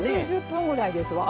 １０分ぐらいですわ。